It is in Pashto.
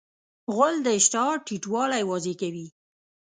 غول د اشتها ټیټوالی واضح کوي.